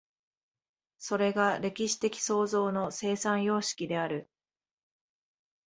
それが歴史的創造の生産様式である。